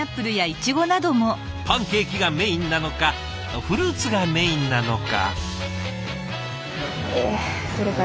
パンケーキがメインなのかフルーツがメインなのか。